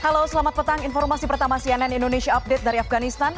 halo selamat petang informasi pertama cnn indonesia update dari afganistan